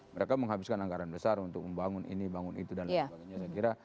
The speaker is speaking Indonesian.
mereka menghabiskan anggaran besar untuk membangun ini bangun itu dan lain sebagainya saya kira